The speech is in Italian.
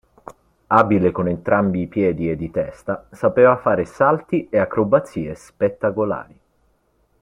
Abile con entrambi i piedi e di testa, sapeva fare salti e acrobazie spettacolari.